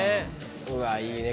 うわいいね。